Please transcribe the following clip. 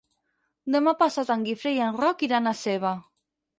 Demà passat en Guifré i en Roc iran a Seva.